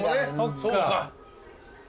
そうか。